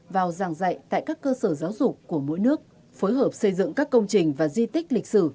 vào giảng dạy tại các cơ sở giáo dục của mỗi nước phối hợp xây dựng các công trình và di tích lịch sử